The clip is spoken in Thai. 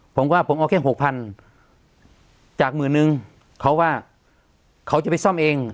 ผมว่าผมเอาแค่หกพันจากหมื่นนึงเขาว่าเขาจะไปซ่อมเอง